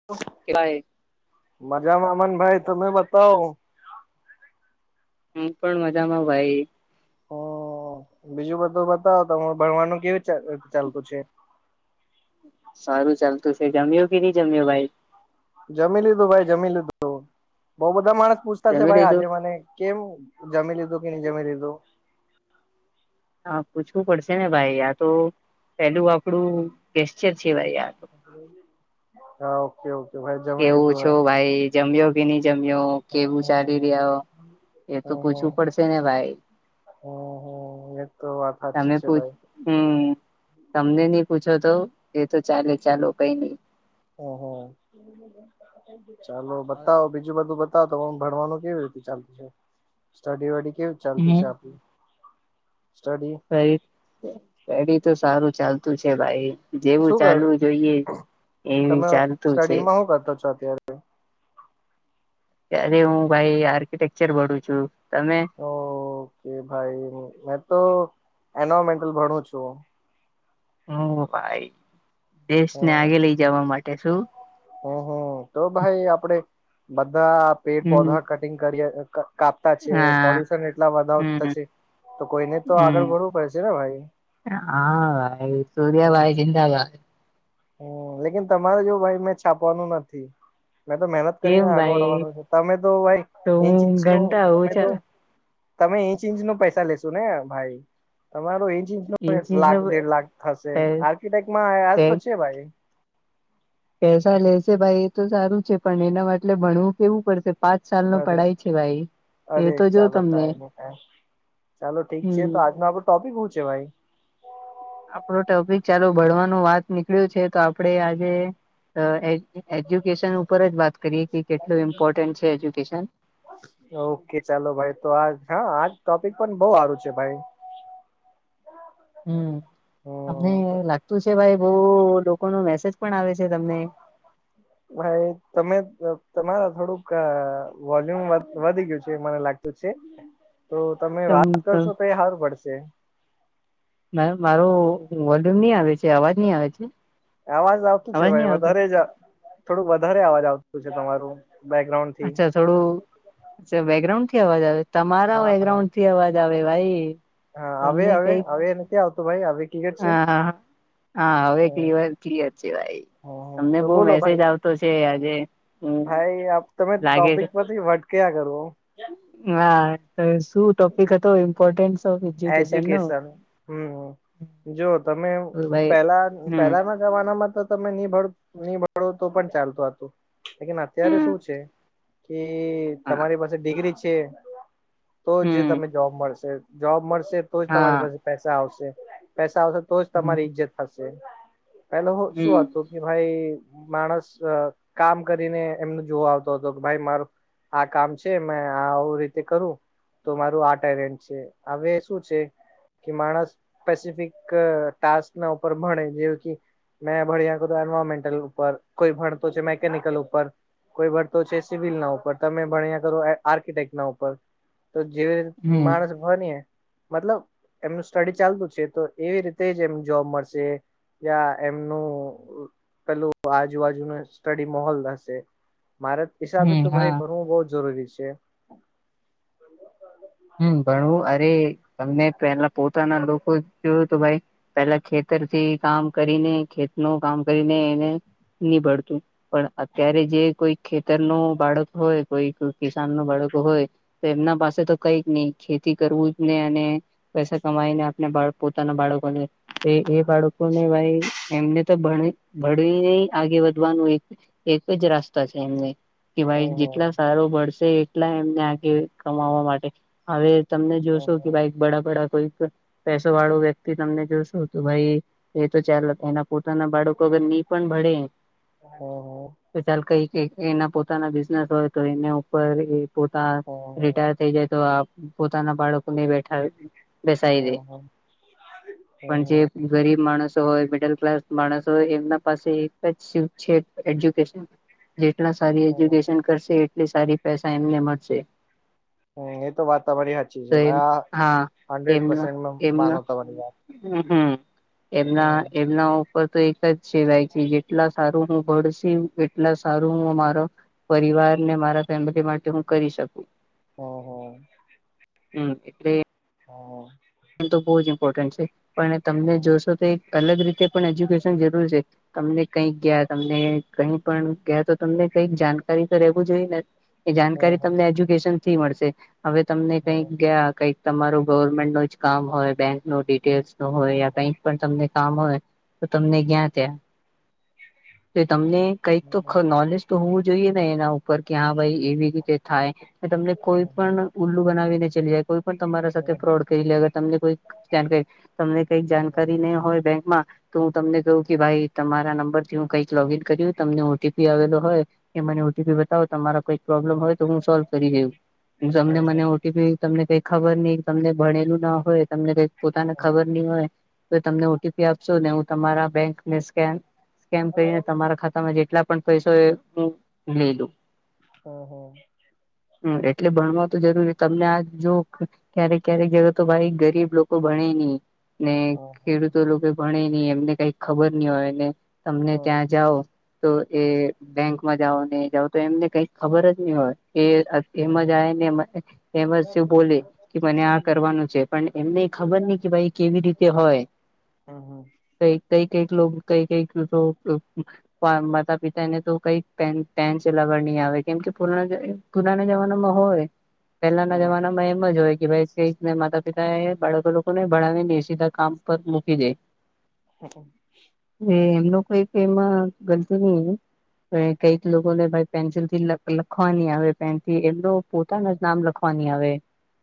[inaudible] કેલાય મજામા અમન ભાઈ તમે બતાવ હું પણ મજામાં ભાઈ હ બીજું બધું બતાવો તમે ભણવાનું કેવી ચા ચાલતું છે. સારું ચાલતું છે, જમ્યું કે ની જમ્યો ભાઈ? જમી લીધું ભાઈ જમી લીધું બોવ બધા માણસ પૂછતા છે, જમી ભાઈ લીધું આજે મને કેમુ જમી લીધું કે ની જમી લીધું હા પૂછવું પડશે ને ભાઈ આ તો પેલું આપડું ગેશચર છે, ભાઈ આ તો હા. ઓકે ઓકે ભાઈ જમી કેવું લીધું છો હે ભાઈ જમ્યો કે ની જમ્યો કેવું હમ ચાલી રહ્યા એ તો હમ હમ પૂછવું પડશે ને ભાઈ હમ હમ એ તો વાત સાચી તમે છે પુ ભાઈ હમ તમને ની પૂછો તો એ તો ચાલે ચાલો કઈ ની હહ ચાલો બતાવો બીજું બધું પણ ભણવાનું કેવી રીતે ચાલતું છે સ્ટડી વડી કેવી ચાલતી હમ છે આપડી સ્ટડી. ફરી પેરી તો સારું ચાલતું છે, ભાઈ શું જેવું કર ચાલવું જોઈએ એ તમે ચાલતું છે. સ્ટડીમાં હું કરતો છો અત્યારે ત્યારે હું ભાઈ આર્કિટેક્ચર વાળુ જોયુ તમે ઓકે ભાઈ મેં તો એનોમેન્ટલ ભણું છું. હ ભાઈ દેશને આગે લઈ જવા માટે શું. હમ્મ હમ્મ તો ભાઈ આપડે બધા પેડ પૌધા હમ કટિંગ કરીએ. કાપતા છે પોલ્યુશન એટલા વધાવતા છે. તો કોઈને તો હમ્મ આગળ ભરવું પડશે ને ભાઈ હા ભાઈ સૂર્યાભાઈ જિંદાબાદ હમ્મ લેકિન તમારે જોવ ભાઈ મેં છાપવાનું નથી. મે તો મહેનત કરીને કેમ આગળ ભાઈ વધવાનું છે તમે તો ભાઈ તો એ હું ચીજ નુ ઘંટા તમે ઓછા તો તમે ઇંચ ઇંચ નુ પૈસા લેશો ને ભાઈ તમારો ઇંચ ઇન્ચીસ લાખ દેડ લાખ થશે આર્કિટેક્ટમાંજ આયા તો છે ભાઈ પૈસા લેશે ભાઈ એ તો સારું છે પણ એના માટલે ભણવું કેવું પડશે. પાંચ સાલ નુ અરે પઢાય છે ભાઈ એ તો જો તમને હા. ચાલો ઠીક છે હમ તો આજનો આપડો ટોપિક શું છે ભાઈ. આપડો ટોપિક ચાલો ભણવાનું વાત નીકળ્યું છે તો આપડે આજે એ એજ્યુકેશન ઉપર જ વાત કરીએ કે કેટલું ઇમ્પોર્ટન્ટ છે એજ્યુકેશન ઓકે ચાલો ભાઈ તો આ હા આ ટોપિક પણ બહું સારું છે ભાઈ હમ્મ અમને હમ તો લાગતું છે ભાઈ બહું લોકો નો મેસેજ પણ આવે છે તમને ભાઈ તમે તમારા થોડુંક વોલ્યુમ વધી ગયું છે મને લાગતું છે. તો તમે તમ વાત તમ કરશો તો એ સારું પડશે. મારો વોલ્યુમ નહી આવે છે અવાજ નહી આવે છે. અવાજ આવતું છે અવાજ નહી ભાઈ આવતો વધારે જ થોડું વધારે અવાજ આવતું છે તમારું બેકગ્રાઉન્ડ થી અચ્છા થોડું બેકગ્રાઉન્ડ થી અવાજ આવે તમારા હા બે બેગ્રાઉન્ડ થી અવાજ આવે ભાઈ હા આવે તમને હવે કઈક હવે નથી આવતો ભાઈ હવે ક્લિયર છે હા હા હવે હ ક્લ ક્લિયર છે ભાઈ હ તમને તો બહું બોલો ભાઈ મેસેજ આવતો છે આજે હમ્મ લાગે છે. ક્યાં કરવો હા તો શું ટોપિક હતો ઇમ્પોર્ટન્સ ઓફ એજ્યુકેશન નો હમ્મ જો તમે ભાઈ પેલા હમ પેલામાં જમાનામાં તો તમે નિ ભણો તો પણ ચાલતું હતું લેકિન અત્યારે હમ શું છે. વી હા તમારી પાસે ડિગ્રી છે તો જ હમ તમને જોબ મળશે જોબ મળશે. તો જ તમારી હા પાસે પૈસા આવશે પૈસા આવશે તો જ હમ તમારી ઈજ્જત થશે. પેલો હું શું હમ વાત કઉ કે ભાઈ માણસ કામ કરીને એમને જોવા આવતો હતો કે ભાઈ મારું. આ કામ છે મે આવું રીતે કરું તો મારું આ ટેલેન્ટ છે. હવે શું છે. કે માણસ પેસીફિક ટાસ્ક ના ઉપર ભણે જેવુ કે મેં ભણી નાખ્યું એન્વાયરમેન્ટલ ઉપર કોઈ ભણતો છે મેકેનિકલ ઉપર કોઈ ભરતો છે સિવિલ ના ઉપર તમે ભણ્યા કરો આર્કિટેક્ટ ના ઉપર તો જેવી હમ માણસ હો મતલબ એમનું સ્ટડી ચાલતું છે તો એવી રીતે જ એમ જોબ મળશે. યા એમનું પેલું આજુબાજુ ન સ્ટડી માહોલ હશે મારે હિસાબે હમ તો હા ભાઈ ભણવું બહ જ જરૂરી છે. હમ્મ ભણવું અરે તમને પેલા પોતાના લોકો જોયયો તો ભાઈ પેલા ખેતરથી કામ કરીને ખેત નુ કામ કરીને એને ઈનીભળતું પણ અત્યારે જે કોઈ ખેતર નું બાળકો હોય કોઈ કિસાન નુ બાળકો હોય તો એમના પાસે તો કઈક નહી ખેતી કરવું જ ને અને પૈસા કમાઈને આપણે પોતાના બાળકોને એ એ બાળકોને ભાઈ એમને તો ભ ભણવીને આગે વધવાનું એક જ રસ્તો છે એમને કે ભાઈ હમ જેટલા સારો ભણશે એટલા એમને આગે કમાવા માટે હવે તમને હમ જોશો કે ભાઈ બડાબડા કોઈક- પેસો વાળો વ્યક્તિ તમને જોશું તો ભાઈ- એ તો ચાલ એના પોતાના બાળકો અગર ની પણ ભળે- હમ ચાલ કઈક એના પોતાના બિઝનેસ હોય તો એના ઉપર એ પોતા હમ રિટાયર થઈ જાય તો પોતાના બાળકોને બેઠા હમ બેસાય દઈ. [inaudible] હમ હમ પણ જે હમ ગરીબ માણસો હોય મિડલ ક્લાસ માણસો હોય એમના પાસે એક જ છે. એજ્યુકેશન જેટલા સારી હમ એજ્યુકેશન કરશે એટલી સારી પૈસા એમને મળશે. હ એ તો વાતાવર સાચી તો છે એમ આ હા હડ્રેડ પર્સન્ટ માનું તમારી વાત હ હમ એમના હમ એમના તો એક જ છે જેટલા સારું હું ભસી એટલા સારું હ મારો પરિવાર ને મારા ફેમિલી માટે હું કરી શકું હ હ [unintelligible] હમ એટલે હા [unintelligible] એ તો બહુ જ ઇમ્પોર્ટન્ટ છે પણ હમ હમ હમ હમ તમને જોશો તો એક અલગ રીતે પણ એજ્યુકેશન જરૂર છે. તમને કઈક ગયા તમને કઈ પણ ગયા તો તમને કઈક જાણકારી તો રહેવું જોઈએ ને. એ જાણકારી તમને એજ્યુકેશન થી મળશે હવે તમને કઈક ગયા કઈક તમારો ગવર્મેન્ટ નો કામ હોય બેંક નો ડિટેલ્સ નું હોય કઈ પણ તમને કામ હોય તો તમને જ્યાં ત્યાં તો તમને કંઈક તો નોલેજ તો હોવું જોઈએ ને એના ઉપર કે હા ભાઈ એવી રીતે થાય તમને કોઈ હમ હમ હમ પણ ઉલ્લું બનાવીને ચલી જાય કોઈ પણ તમારા હમ સાથે હમ ફ્રોડ કરી લે તમને કઈક જાણકારી નહીં હોય બેંકમાં તો હું તમને કહું કે ભાઈ તમારા નંબર થી હું કંઈક લોગ ઇન કર તમને ઓટીપી આવેલો હોય કે મને ઓટીપી બતાવો તમારા કોઈક પ્રોબ્લેમ હોય તો હું સોલ્વ કરી દે તમને મને ઓટી તમને કઈ ખબર નહી તમને ભણેલું ના હોય તમને કઈ પોતાને ખબર નહી હોય. તો તમને ઓટીપી આપશોને હું તમારા બેંક સ્કે સ્કેન કરીને તમારા ખાતામાં જેટલા પણ પૈસ એ હું લે લું. હ હ [unintelligible] હમ એટલે ભણવા તો જરૂરી તમને આ જો ક્યારેક ક્યારેક જગ તો ભાઈ- ગરીબ લોકો ભણે નહી ને ખેડૂત- તો લોકો ભણે નહી એમને કઈ ખબર નહી હોય તમને ત્યાં જાઓ તો એ બેંકમાં જાઓ ને જાઓ તો એમને કઈ ખબર જ નહી હોય એ એમ જ આ ને એમ જ શું બોલે કે મને આ કરવાનું છે. પણ એમને ખબર નહી કે ભાઈ કેવી રીતે હોય હમ હમ કઈ કઈ કઈક લો કઈ કઈક માતા પિતા ને તો કઈક પેન સલાવર નહી આવે કેમ કે પૂર્ણ પુરાના જમાનામાં હોય પહેલાના જમાનામાં એમ જ હોય કે ભાઈ કઈકને માતા પિતા એ બાળકો લોકોને ભણાવીને સીધા કામ પર મૂકી દે- હ [unintelligible] હ એમનું કોઈક એમાં ગલતી નઈ કઈક લોકોને ભાઈ પેન્સિલ થી લખવાની આવે પેન થી એમ પોતાના નામ લખવાની આવે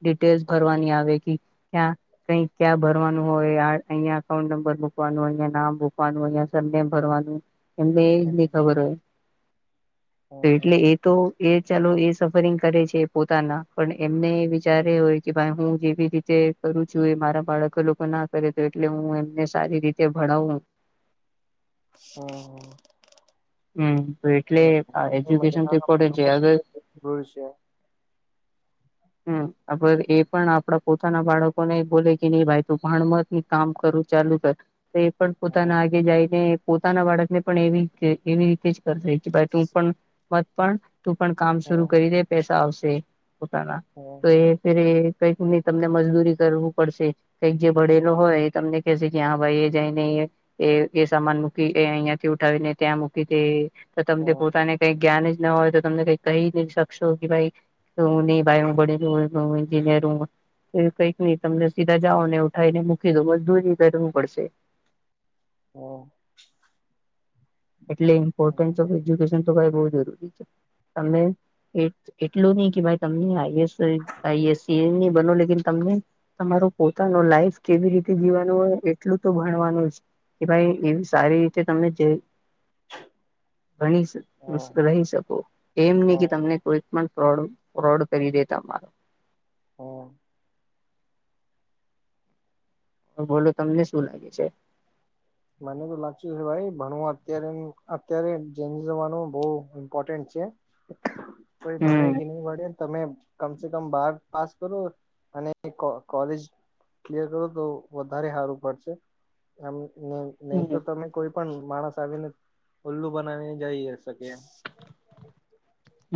ડિટેલ્સ ભરવાની આવે કે ક્યાં કઈક ક્યાં ભરવાનું હોય અહિયાંયા અઉન્ટ નંબર મૂકવાનું હોય અિયાયા નામ મૂકવાનું હો ભરવાનું એમને એ જ નહી ખબર હો તો એટલે એ તો એ ચાલો એ સફરિંગ કરે છે પોતાના પણ એમને વિચારે હોય કે ભાઈ હું જેવી રીતે કરું છું મારા બાળકો લોકો ના કરે તો એટલે હું એમને સારી રીતે ભણાવું. હમ. હમ એટલે એજ્યુકેશન તો ઇમ્પોર્ટે છે અગર હમ અગર એ પણ આપણા પોતાના બાળકો ને બોલે કે નહી ભાઈ તું ભણ મત કામ કરું ચાલુ કર. તો એ પણ પોતાના આગે જઈને પોતાના બાળકને પણ એવી એવી રીતે જ કરશે ભાઈ તું પણ મત પણ તું પણ કામ શરું કરી દે પૈસા આવશે પોતાના. હમ. કઈકની તમને મજદૂરી કરવું પડશે કઈક જે ભણેલો હોય તમને કે છે કે હા ભાઈ એ જઈને એ એ સામાન મૂકી એ અહિયાયા થી ઉઠાવીને ત્યાં મૂકી દે તો તમને પોતાને કઈ જ્ઞાન જ ના હોય તો તમને કઈ કહી શકશો કે ભાઈ હું નહી ભાઈ હું ભણેલો ગણેલો એન્જિનયર હું. તો કંઈક નઈ તમને સીધા જાઓ ને ઉઠાવ ને મૂકી દો મજદૂરી કરવું પડશે. હમ. એટલે ઇમ્પોર્ટ ઓ એજ્યુકેશન તો ભાઈ જરૂરી છે તમને એટલું નહી કે ભાઈ તમને આએસ આઈએસ ન બનો લે તમને તમારો પોતાનું લાઈફ કેવી રીતે જીવાનું હોય એટલું તો ભણવાનું જ. કે ભાઈ એવી સારી રીતે તમને જે ગણી રહી શકો એમ નહી કે તમને કોઈ પણ ફોડ ફોડ કરીદે તમારો. હમ. બોલો તમને શું લાગે છે? મને તો લાગત છે ભાઈ ભણું અત્યારે અત્યારે જેમ જનું બહું ઇમ્પોર્ટન્ટ છે. [inaudible] કોઈ ભણે હમ કે નહી ભણે તમે કમસે કમ બાર પાસ કરો અને કોલેજ ક્લિયર કરો તો વધારે સારું પડશે એમ નહી હમ તો તમે કોઈ પણ માણસ આવીને ઉલ્લું બનાવીને જઈ શકે એમવ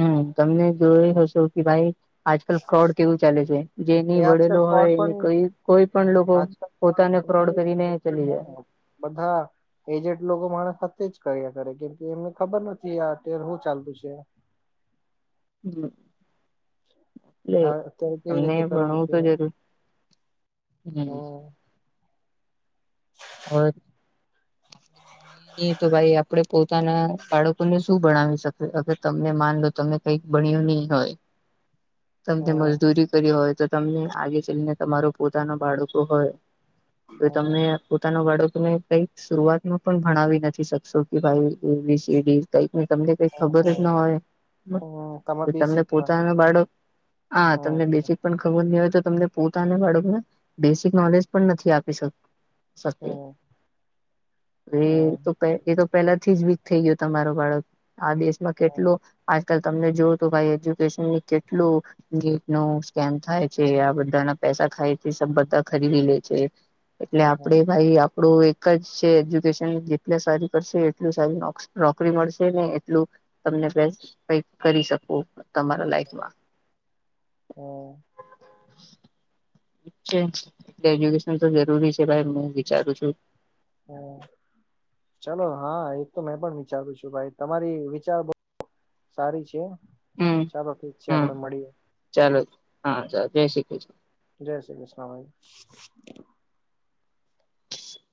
હમ તમને જોઈ હશો કે ભાઈ આજકાલ ફ્રોડ કેવું ચાલે છે. જે ની એ આજકાલ ભડેલો હોય ફ્રોડ પણ એનીઈ કોઈ પણ લોકો પોતાને ફ્રોડ કરીને ચલી જાય. બધા એજટ લોકો માણ સાથે જ કર્યા કરે કેમ કે એમને ખબર નથી આ અર શું ચાલતું છે. હમ. એટલે હા અત્યારે કેવી તમને રીતે કરવું ભણવું છે તો જરૂર હમ. [inaudible] તો ભાઈ આપડે પોતાના બાળકોને શું ભણાવી શકીએ અગર તમને માન લો તમે કંઈક ભણ્યો નહી હોય. તમને હમ મજદૂરી કરી હોય તો તમને આગે ચલીને તમારો પોતાના બાળકો હોય. તો હમ તમને પોતાનો બાળકોને કઈક શરૂઆતમાં પણ ભણાવી નથી શકશો કે ભાઈ એબી સીડી. કઈકની તમને કઈક ખબર જ હમ ના હમ તમાર હોય તમને બેસિકમાં પોતાનો બાળક હા તમને હમ બી પણ ખબર નહી અવે તો તમને પોતાના બાળકને બેસિક નોલેજ પણ નથી આપી શક શકે. એતો એતો પહેલેથી વી થઈ ગયો તમારો બાળક, આ દેશમાં કેટલું આજકાલ તમને જોવું તો ભાઈ એજ્યુકેશન ની કેટલું ગેટ નો સ્કેન થાય છે આ બધાના પેસા ખાયથી બધા ખરીદી લે છે. એટલે આપડે ભાઈ આપણું એક જ છે એજ્યુકેશન જેટલ સારું કરશે એટલું સારું નોક નોકરી મળશે ને એટલું તમને બેસ્ટ કઈ કરી શકો તમારા લાઈફમાં. હમ. છે જ કે એજ્યુકેશન તો જરૂરી છે, હું વિચારું છું. હા ચલો, હા એક તો મેં પણ વિચારું છું ભાઈ તમારી વિચાર બ સારી છે. હમ્મ, ઠીક છે હમ્મ આપડે મળીએ ચાલો હા ચાલ જય શ્રી કૃષ્ણ. જય શ્રી કૃષ્ણ, ભાઈ.